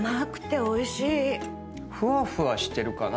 ふわふわしてるかな。